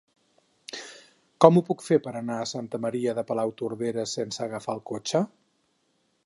Com ho puc fer per anar a Santa Maria de Palautordera sense agafar el cotxe?